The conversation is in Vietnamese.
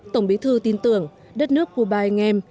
tổng bí thư tin tưởng đất nước cuba anh em